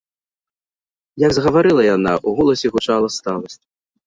Як загаварыла яна, у голасе гучала сталасць.